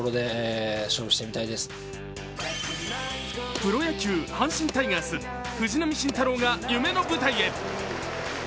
プロ野球・阪神タイガース藤浪晋太郎が夢の舞台へ。